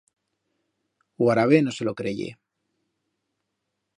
O arabe no se lo creyer.